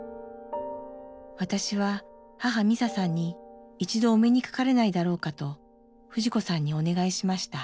私は母ミサさんに一度お目にかかれないだろうかと藤子さんにお願いしました。